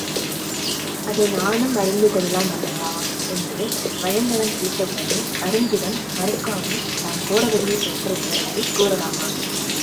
அதை நானும் அறிந்துகொள்ளலாம் அல்லவா? என்று வயந்தகன் கேட்டவுடனே அருஞ்சுகன் மறுக்காமல், தான் கோடபதியைப் பெற்ற விவரத்தைக் கூறலானான்.